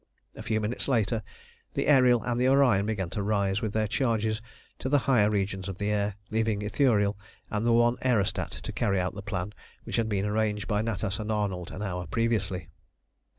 A few minutes later the Ariel and the Orion began to rise with their charges to the higher regions of the air, leaving the Ithuriel and the one aerostat to carry out the plan which had been arranged by Natas and Arnold an hour previously.